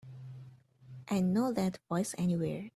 I'd know that voice anywhere.